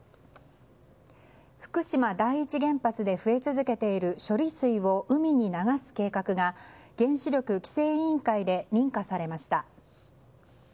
福島第一原発で増え続けている処理水を海に流す計画が原子力規制委員会で認可されました。